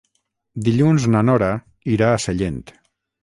Dilluns na Nora irà a Sellent.